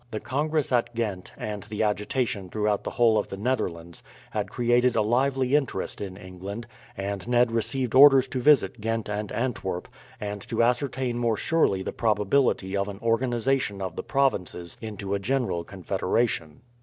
The congress at Ghent, and the agitation throughout the whole of the Netherlands, had created a lively interest in England, and Ned received orders to visit Ghent and Antwerp, and to ascertain more surely the probability of an organization of the provinces into a general confederation.